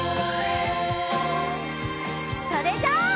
それじゃあ。